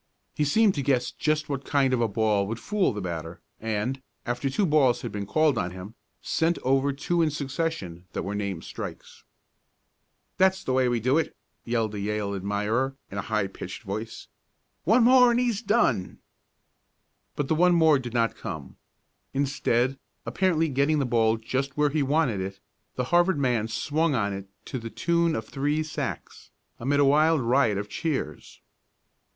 He seemed to guess just what kind of a ball would fool the batter, and, after two balls had been called on him, sent over two in succession that were named strikes. "That's the way we do it!" yelled a Yale admirer, in a high pitched voice. "One more and he's done." But the one more did not come. Instead, apparently getting the ball just where he wanted it, the Harvard man swung on it to the tune of three sacks, amid a wild riot of cheers.